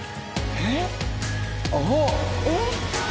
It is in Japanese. えっ？